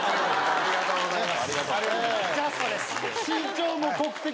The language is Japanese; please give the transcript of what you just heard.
ありがとうございます。